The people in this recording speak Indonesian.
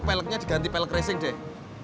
peleknya diganti pelek racing deh